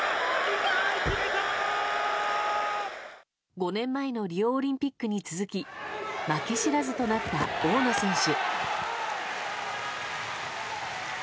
５年前のリオオリンピックに続き負け知らずとなった大野選手。